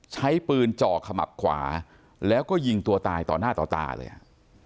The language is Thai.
ใช้ปืนจ่อขมับขวาแล้วก็ยิงตัวตายต่อหน้าต่อตาเลยฮะ